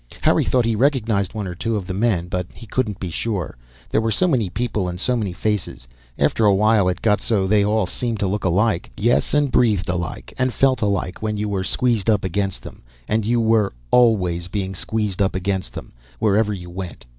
Harry thought he recognized one or two of the men, but he couldn't be sure. There were so many people, so many faces. After a while it got so they all seemed to look alike. Yes, and breathed alike, and felt alike when you were squeezed up against them, and you were always being squeezed up against them, wherever you went.